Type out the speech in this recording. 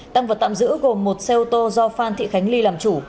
tăng vật tạm giữ gồm một xe ô tô do phan thị khánh ly làm chủ